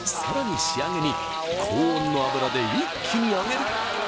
さらに仕上げに高温の油で一気に揚げる！